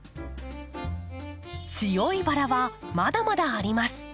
強いバラはまだまだあります。